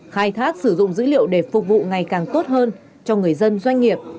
khai thác sử dụng dữ liệu để phục vụ ngày càng tốt hơn cho người dân doanh nghiệp